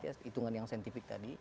hitungan yang saintifik tadi